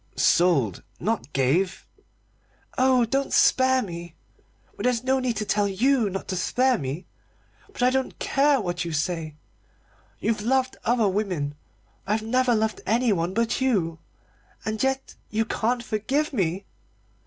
"Sold not gave " "Oh, don't spare me! But there's no need to tell you not to spare me. But I don't care what you say. You've loved other women. I've never loved anyone but you. And yet you can't forgive me!"